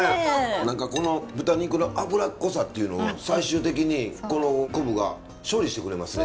何かこの豚肉の脂っこさっていうのを最終的にこの昆布が処理してくれますね。